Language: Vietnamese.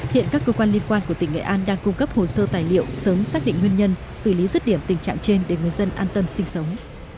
hiện các cơ quan liên quan của tỉnh nghệ an đang cung cấp hồ sơ tài liệu sớm xác định nguyên nhân xử lý rứt điểm tình trạng trên để người dân an tâm sinh sống